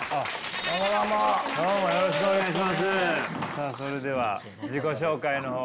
さあそれでは自己紹介の方を。